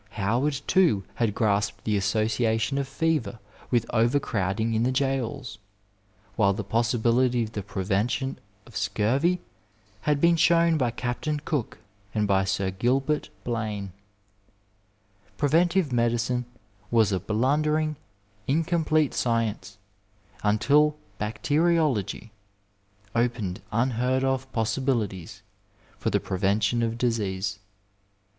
Howard, too, had grasped the association of fever with overcrowding in the jails, while the possibility of the prevention of scurvy had been shown by Captain Cook and by Sir Gilbert Blane. 237 Digitized by VjOOQIC MEDICINE IN THE NINETEENTH CENTURY Preventive medicine was a blundering, incomplete science until bacteriology opened unheard of possibilities for the prevention of disease.